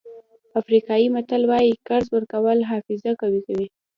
افریقایي متل وایي قرض ورکول حافظه قوي کوي.